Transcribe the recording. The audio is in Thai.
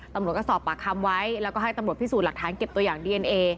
ตำรวจก็สอบปากคำไว้แล้วก็ให้ตำรวจพิสูจน์หลักฐานเก็บตัวอย่างดีเอนเอ